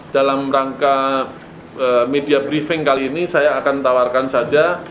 dalam rangka media briefing kali ini saya akan tawarkan saja